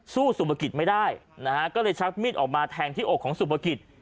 สุภกิจไม่ได้นะฮะก็เลยชักมีดออกมาแทงที่อกของสุภกิจ